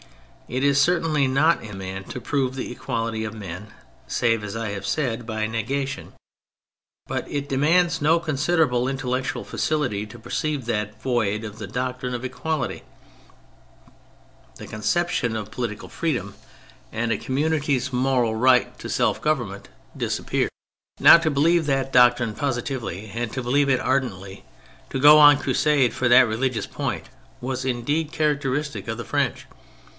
It is certainly not in man to prove the equality of men save, as I have said, by negation; but it demands no considerable in tellectual faculty to perceive that, void of the doctrine of equality, the conception of political freedom and of a community's moral THE POLITICAL THEORY 23 right to self government disappear. Now to believe that doctrine positively, and to believe it ardently, to go on crusade for that religious point, was indeed characteristic of the French.